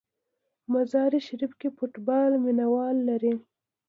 مزار شریف کې فوټبال مینه وال لري.